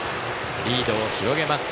リードを広げます。